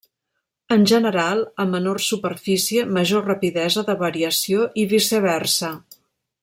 En general, a menor superfície, major rapidesa de variació i viceversa.